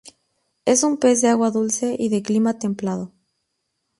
Es un pez de agua dulce y de clima templado.